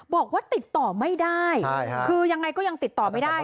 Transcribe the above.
บอกว่าติดต่อไม่ได้คือยังไงก็ยังติดต่อไม่ได้